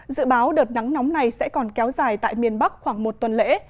dự báo đợt nắng nóng này sẽ còn kéo dài tại miền bắc khoảng một tuần lễ